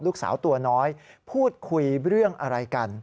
ลูกสาวตัวน้อยพูดคุยเรื่องอะไรกัน